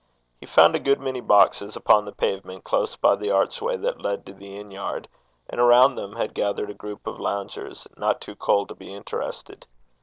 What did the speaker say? He found a good many boxes standing upon the pavement close by the archway that led to the inn yard, and around them had gathered a group of loungers, not too cold to be interested.